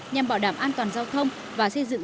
nhằm bảo đảm an toàn giao thông và xây dựng hình ảnh